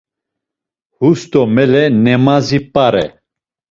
Hus do mele nemazi p̌are.